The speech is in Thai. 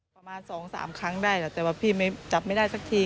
ประมาณ๒๓ครั้งได้แต่ว่าพี่ไม่จับไม่ได้สักที